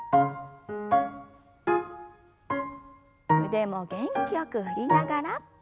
腕も元気よく振りながら。